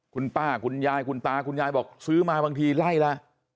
คุณป้าคุณยายคุณตาคุณยายบอกซื้อมาบางทีไล่ละ